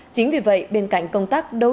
chính vì vậy bên cạnh công tác đối tượng